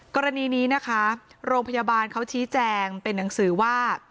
กรณีนี้นะคะโรงพยาบาลเขาชี้แจงเป็นหนังสือว่า